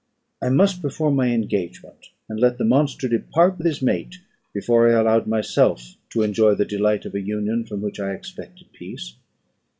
I must perform my engagement, and let the monster depart with his mate, before I allowed myself to enjoy the delight of an union from which I expected peace.